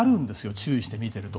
注意して見ていると。